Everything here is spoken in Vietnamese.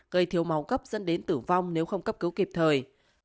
gây thiếu máu cấp dẫn đến tử vong nếu không cấp cứu kịp thời